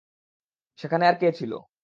সেখানে আর কে ছিল?